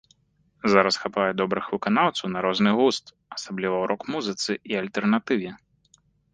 Зараз хапае добрых выканаўцаў на розны густ, асабліва ў рок-музыцы і альтэрнатыве.